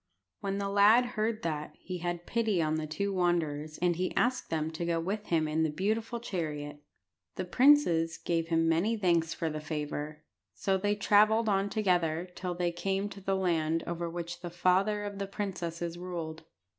When the lad heard that, he had pity on the two wanderers, and he asked them to go with him in the beautiful chariot. The princes gave him many thanks for the favour. So they travelled on together till they came to the land over which the father of the princesses ruled.